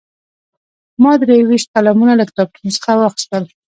ما درې ویشت قلمونه له کتابتون څخه واخیستل.